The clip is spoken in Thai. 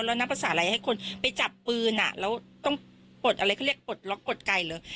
แล้วนับภาษาอะไรให้คนไปจับปืนอ่ะแล้วต้องปลดอะไรเขาเรียกปลดล็อกกดไก่เหรอ